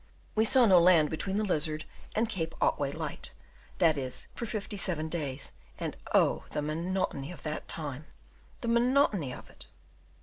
We saw no land between the Lizard and Cape Otway light that is, for fifty seven days: and oh, the monotony of that time! the monotony of it!